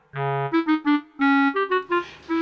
siapa yang nyuruh